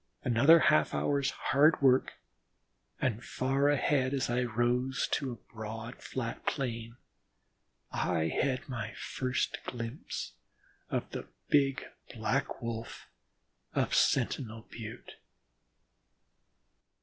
Another half hour's hard work and far ahead, as I rose to a broad flat plain, I had my first glimpse of the Big Black Wolf of Sentinel Butte.